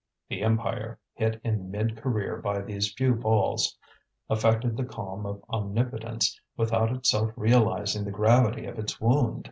The empire, hit in mid career by these few balls, affected the calm of omnipotence, without itself realizing the gravity of its wound.